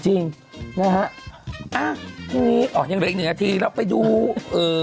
จริงนะฮะอ่ะพรุ่งนี้อ๋อยังเหลืออีกหนึ่งนาทีเราไปดูเอ่อ